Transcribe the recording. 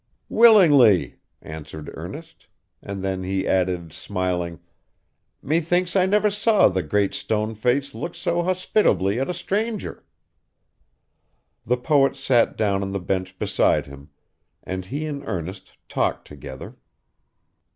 'Willingly,' answered Ernest; and then he added, smiling, 'Methinks I never saw the Great Stone Face look so hospitably at a stranger.' The poet sat down on the bench beside him, and he and Ernest talked together.